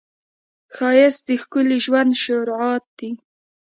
ښایست د ښکلي ژوند شروعات دی